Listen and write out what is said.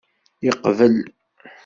Yeqbel.